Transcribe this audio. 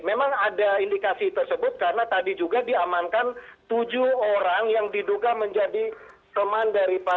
memang ada indikasi tersebut karena tadi juga diamankan tujuh orang yang diduga menjadi teman daripada